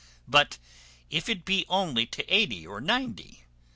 But if it be only to eighty or ninety.